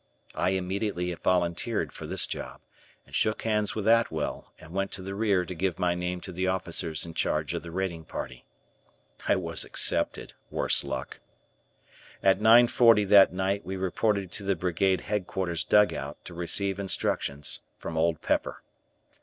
I immediately volunteered for this job, and shook hands with Atwell, and went to the rear to give my name to the officers in charge of the raiding party. I was accepted, worse luck. At 9:40 that night we reported to the Brigade Headquarters dugout to receive instructions from Old Pepper.